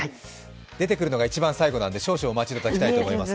出てくるのが一番最後なので少々お待ちいただきたいです。